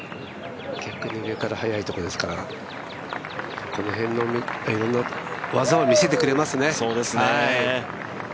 逆に上からはやいところですからいろんな技を見せてくれますね。